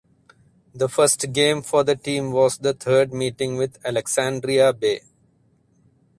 The first game for the team was the third meeting with Alexandria Bay.